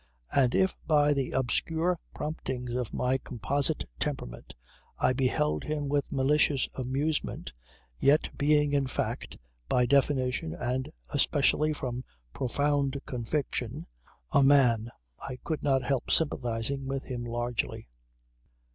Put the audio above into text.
And if by the obscure promptings of my composite temperament I beheld him with malicious amusement, yet being in fact, by definition and especially from profound conviction, a man, I could not help sympathizing with him largely.